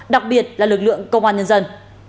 đặc biệt là lực lượng công an nhân dân